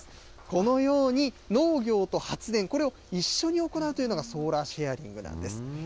このように農業と発電、これを一緒に行うというのがソーラーシェアリングなんです。